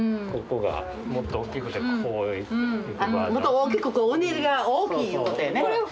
もっと大きくうねりが大きいいうことやね。